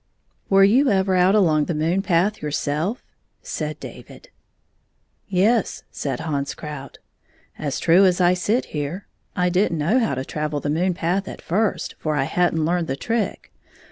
"Were you ever out along the moon path your self? " said David. " Yes," said Hans Krout. " As true as I sit here. I did n't know how to travel the moon path at first, for I had n't learned the trick.